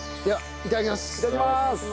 いただきます。